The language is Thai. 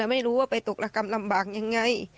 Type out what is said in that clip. ไม่รู้ว่าไปตกระกรรมลำบากยังไง